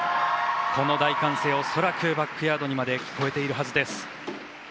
この大歓声はバックヤードまで聞こえているはずです。